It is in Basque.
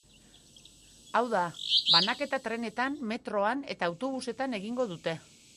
Hau da, banaketa trenetan, metroan eta autobusetan egingo dute.